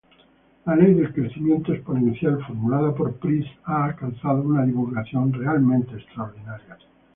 La ley del crecimiento exponencial formulada por Price ha alcanzado una divulgación realmente extraordinaria.